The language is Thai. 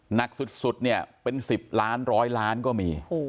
หนักสุดเนี่ยเป็น๑๐ล้าน๑๐๐ล้านก็มี